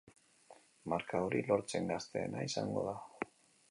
Marka hori lortzen gazteena izango da.